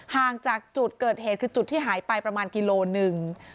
ห่างจากจุดเกิดเหตุคือจุดที่หายไปประมาณกิโลหนึ่ง